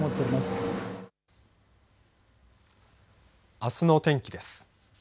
あすの天気です。